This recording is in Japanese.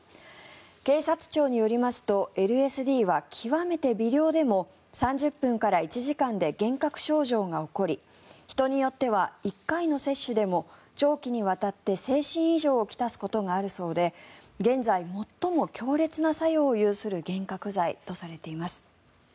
警察庁によりますとＬＳＤは極めて微量でも３０分から１時間で幻覚症状が起こり人によっては１回の摂取でも長期にわたって精神異常を来すことがあるそうで現在、最も強烈な作用を有する幻覚剤とされています。